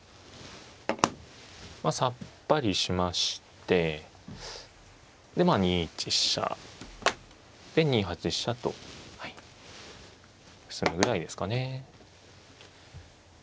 さっぱりしまして２一飛車で２八飛車とするぐらいですかね。